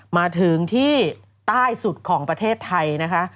มาถึงที่ใต้สุดของประเทศไทยนะคะ